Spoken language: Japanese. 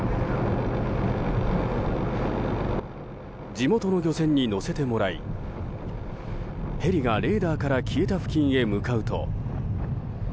地元の漁船に乗せてもらいヘリがレーダーから消えた付近へ向かうと。